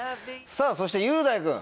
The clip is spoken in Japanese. さぁそして雄大君